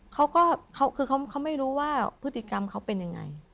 เค้าไม่รู้ว่าพฤติกรรมเค้าเป็นยังไง